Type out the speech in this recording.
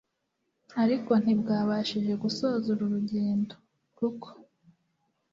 ariko nti bwabashije gusoza uru rugendo, kuko...